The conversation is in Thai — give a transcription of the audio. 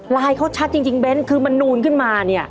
เขาชัดจริงเบ้นคือมันนูนขึ้นมาเนี่ย